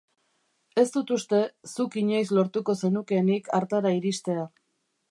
Ez dut uste zuk inoiz lortuko zenukeenik hartara iristea.